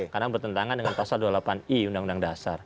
karena bertentangan dengan pasal dua puluh delapan i undang undang dasar